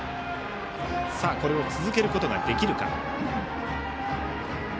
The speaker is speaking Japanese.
これを続けることができるか。